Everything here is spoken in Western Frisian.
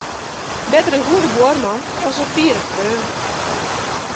Better in goede buorman as in fiere freon.